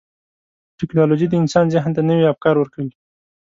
ټکنالوجي د انسان ذهن ته نوي افکار ورکوي.